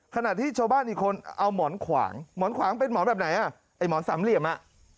ขณะที่ชาวบ้านอีกคนเอาหมอนขวางหมอนขวางเป็นหมอนแบบไหนอ่ะไอ้หมอนสามเหลี่ยมอ่ะ